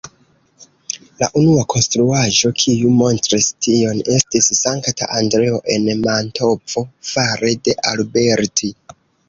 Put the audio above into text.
La unua konstruaĵo kiu montris tion estis Sankta Andreo en Mantovo fare de Alberti.